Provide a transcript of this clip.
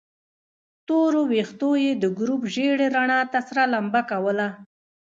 تورو ويښتو يې د ګروپ ژېړې رڼا ته سره لمبه کوله.